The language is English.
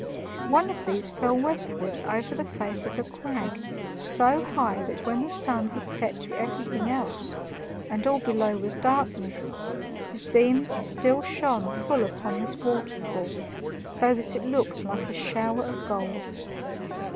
One of these fell westward over the face of a crag so high that when the sun had set to everything else, and all below was darkness, his beams still shone full upon this waterfall, so that it looked like a shower of gold.